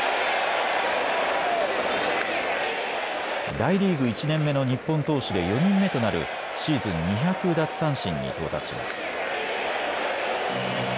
大リーグ１年目の日本投手で４人目となるシーズン２００奪三振に到達します。